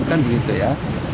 kan begitu ya